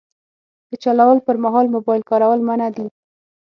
د چلولو پر مهال موبایل کارول منع دي.